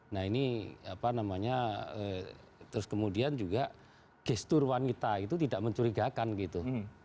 nah ini apa namanya terus kemudian juga gestur wanita itu tidak mencurigakan gitu